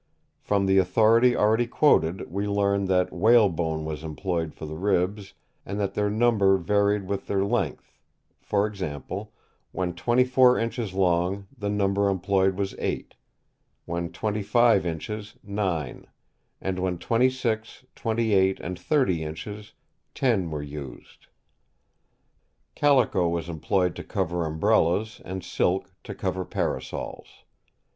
From the authority already quoted, we learn that whalebone was employed for the ribs, and that their number varied with their length; for example, when 24 inches long the number employed was 8; when 25 inches, 9; and when 26, 28 and 30 inches, 10 were used. Calico was employed to cover umbrellas, and silk to cover parasols.